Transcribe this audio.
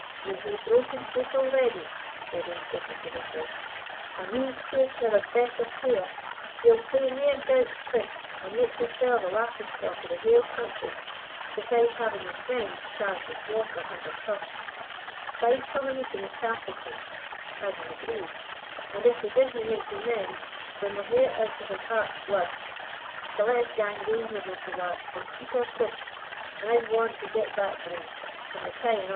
"Ye hae broken truce already," said old Dick of the Dingle; "an we takena the better care, ye'll play mair gowk's tricks, and make yoursell the laughing stock of the haill country, besides having your friends charged with slaughter under trust. Bide till the meeting at Castleton, as ye hae greed; and if he disna make ye amends, then we'll hae it out o' his heart's blood. But let us gang reasonably to wark and keep our tryst, and I'se warrant we get back Grace, and the kye an' a'."